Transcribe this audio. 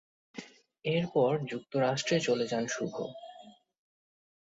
এরপর যুক্তরাষ্ট্রে চলে যান শুভ।